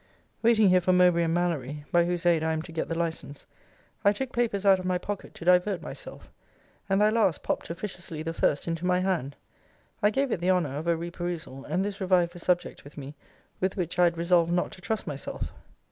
Waiting here for Mowbray and Mallory, by whose aid I am to get the license, I took papers out of my pocket, to divert myself; and thy last popt officiously the first into my hand. I gave it the honour of a re perusal; and this revived the subject with me, with which I had resolved not to trust myself.